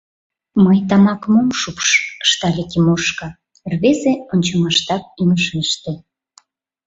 — Мый тамакым ом шупш, — ыштале Тимошка, рвезе ончымаштак ӱҥышеште.